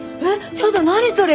ちょっと何それ。